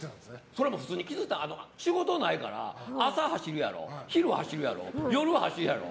それも普通に気づいたら仕事ないから、朝走るやろ昼も走るやろ、夜も走るやろ。